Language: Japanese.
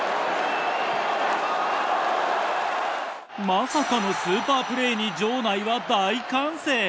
まさかのスーパープレーに場内は。